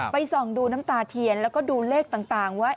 ส่องดูน้ำตาเทียนแล้วก็ดูเลขต่างไว้